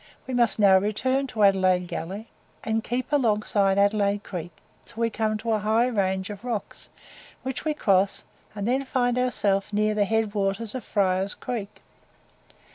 We must now return to Adelaide Gully, and keep alongside Adelaide Creek, till we come to a high range of rocks, which we cross, and then find ourselves near the head waters of Fryer's Creek.